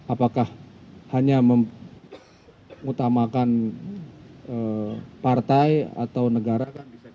apakah hanya mengutamakan partai atau negara